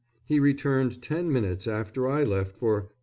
He returned ten minutes after I left for